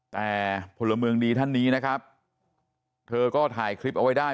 แต่พลเมืองดีท่านนี้นะครับเธอก็ถ่ายคลิปเอาไว้ได้